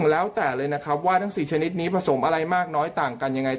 แล้วแต่เลยนะครับว่าทั้ง๔ชนิดนี้ผสมอะไรมากน้อยต่างกันยังไง